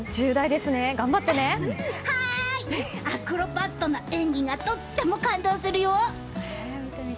アクロバットな演技がとっても感動するよ。